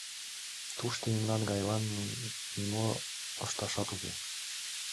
Тушто мемнан гайлан нимо ышташат уке.